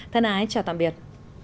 thân ái chào tạm biệt